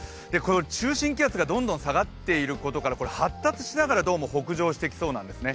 中心気圧がどんどん下がっていることから、発達しながらどうも北上してきそうなんですね。